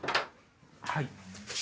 はい。